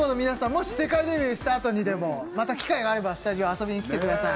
もし世界デビューしたあとにでもまた機会があればスタジオ遊びに来てください